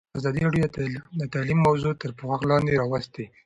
ازادي راډیو د تعلیم موضوع تر پوښښ لاندې راوستې.